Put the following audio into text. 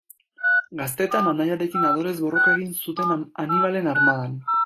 Gaztetan anaiarekin adorez borroka egin zuten Hanibalen armadan.